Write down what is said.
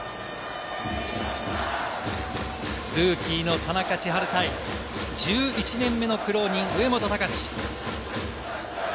ルーキーの田中千晴対１１年目の苦労人・上本崇司。